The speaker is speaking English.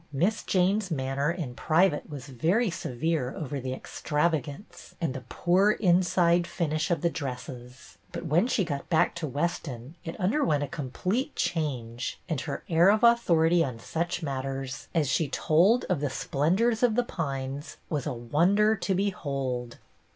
Miss Jane's manner in private was very severe over the e.xtravagance and the poor inside finish of the dresses; but when she got back to Weston it underwent a complete change, and her air of authority on such matters, as she told of the splendors of The Pines, was a wonder to behold.